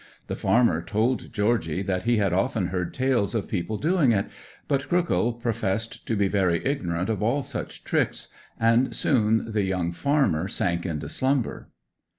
The farmer told Georgy that he had often heard tales of people doing it; but Crookhill professed to be very ignorant of all such tricks; and soon the young farmer sank into slumber.